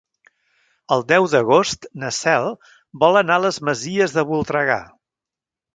El deu d'agost na Cel vol anar a les Masies de Voltregà.